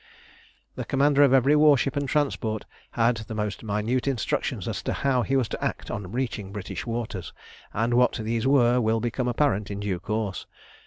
The commander of every warship and transport had the most minute instructions as to how he was to act on reaching British waters, and what these were will become apparent in due course.